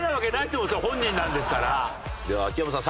では秋山さん